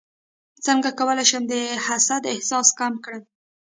څنګه کولی شم د حسد احساس کم کړم